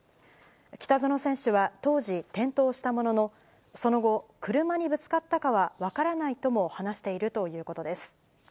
北薗選手は当時、転倒したものの、その後、車にぶつかったかは分からないとも話しているということです。